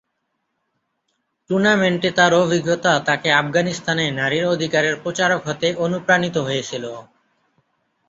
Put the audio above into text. টুর্নামেন্টে তার অভিজ্ঞতা তাকে আফগানিস্তানে নারীর অধিকারের প্রচারক হতে অনুপ্রাণিত হয়েছিল।